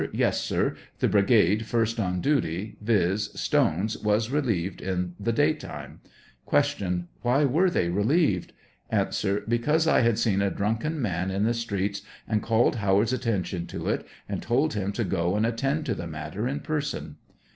Yes, sir ; the brigade first on duty, viz : Stone's, was relieved in the day time. Q. Why were they relieved ? A, Because I had seen a drunken man on the Streets and called Howard's attention to it, and told him to go and attend to t^e matter in person.